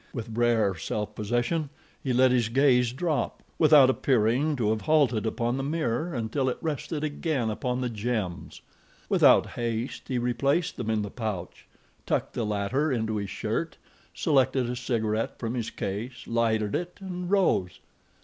With rare self possession he let his gaze drop, without appearing to have halted upon the mirror until it rested again upon the gems. Without haste, he replaced them in the pouch, tucked the latter into his shirt, selected a cigaret from his case, lighted it and rose.